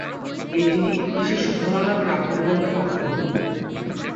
এটি "শিশু ভোলানাথ" কাব্যগ্রন্থের অন্তর্ভুক্ত।